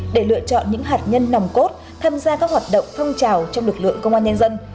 để lựa chọn những hạt nhân nòng cốt tham gia các hoạt động phong trào trong lực lượng công an nhân dân